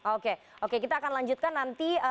oke oke kita akan lanjutkan nanti